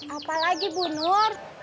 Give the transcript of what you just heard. apalagi bu nur